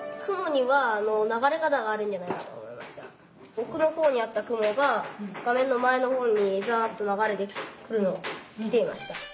おくのほうにあった雲が画面の前のほうにザッと流れてきていました。